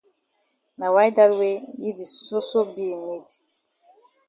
Na why dat wey yi di soso be in need.